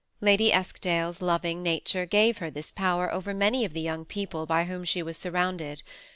Lady Eskdale's loving nature gave her this power over many of the young people by whom she was surrounded.